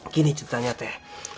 gini ceritanya teh